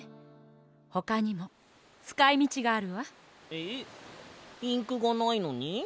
えっインクがないのに？